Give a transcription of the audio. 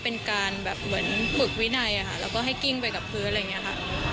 เป็นการแบบเหมือนฝึกวินัยแล้วก็ให้กิ้งไปกับพื้นอะไรอย่างนี้ค่ะ